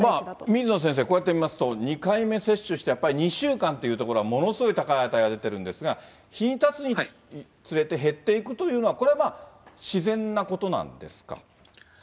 水野先生、こうやって見ますと、２回目接種して、やっぱり２週間っていうところは、ものすごい高い値が出ているんですが、日がたつにつれて減っていくというのは、これは自然なことなんですか？